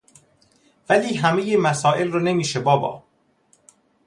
ولی همه مسائل رو نمیشه بابا